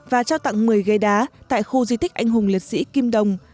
và trao tặng một mươi ghế đá tại khu di tích anh hùng liệt sĩ kim đồng